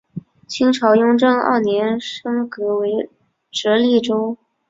清朝雍正二年升格为直隶州。